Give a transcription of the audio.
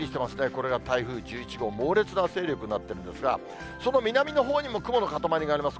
これが台風１１号、猛烈な勢力になってるんですが、その南のほうにも雲の固まりがあります。